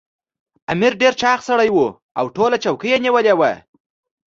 امیر ډېر چاغ سړی وو او ټوله چوکۍ یې نیولې وه.